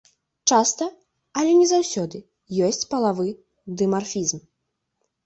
Часта, але не заўсёды, ёсць палавы дымарфізм.